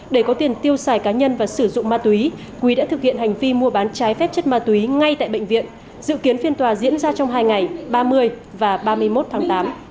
để có tiền tiêu xài cá nhân và sử dụng ma túy quý đã thực hiện hành vi mua bán trái phép chất ma túy ngay tại bệnh viện dự kiến phiên tòa diễn ra trong hai ngày ba mươi và ba mươi một tháng tám